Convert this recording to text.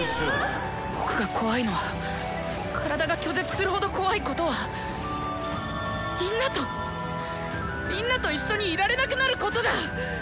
僕が怖いのは体が拒絶するほど怖いことはみんなとみんなと一緒にいられなくなることだ！